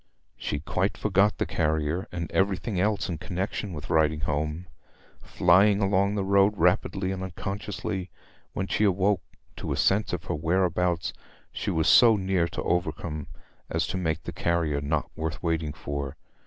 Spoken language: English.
She quite forgot the carrier, and everything else in connexion with riding home. Flying along the road rapidly and unconsciously, when she awoke to a sense of her whereabouts she was so near to Overcombe as to make the carrier not worth waiting for.